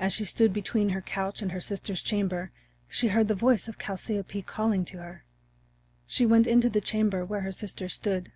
As she stood between her couch and her sister's chamber she heard the voice of Chalciope calling to her. She went into the chamber where her sister stood.